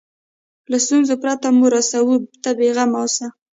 له ستونزو پرته مو رسوو ته بیغمه اوسه.